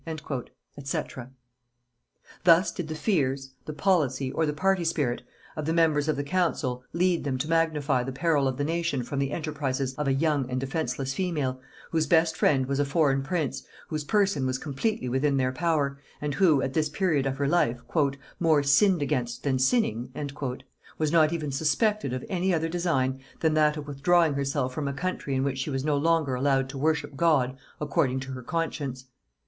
[Note 15: Burleigh Papers by Haynes.] Thus did the fears, the policy, or the party spirit, of the members of the council lead them to magnify the peril of the nation from the enterprises of a young and defenceless female, whose best friend was a foreign prince, whose person was completely within their power, and who, at this period of her life "more sinned against than sinning," was not even suspected of any other design than that of withdrawing herself from a country in which she was no longer allowed to worship God according to her conscience.